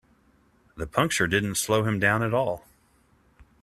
The puncture didn't slow him down at all.